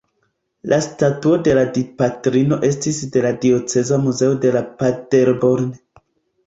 La statuo de la Dipatrino estis de la dioceza muzeo de Paderborn.